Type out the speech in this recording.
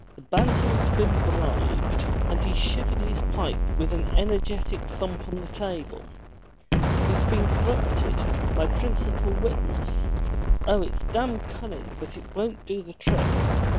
The Bantam's been bribed !" and he shivered his pipe with an energetic thump on the table. "He's been corrupted, my principal witness. Oh it's damn cun ning but it won't do the trick.